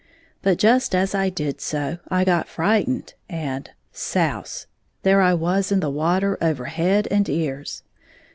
But just as I did so I got frightened, and — souse ! there I was in the water over head and ears.